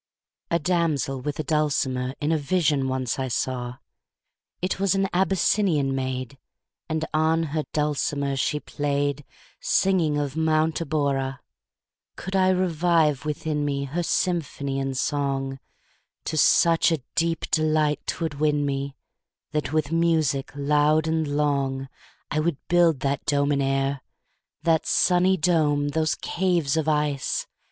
A damsel with a dulcimer In a vision once I saw: It was an Abyssinian maid, And on her dulcimer she play'd, 40 Singing of Mount Abora. Could I revive within me, Her symphony and song, To such a deep delight 'twould win me, That with music loud and long, 45 I would build that dome in air, That sunny dome! those caves of ice!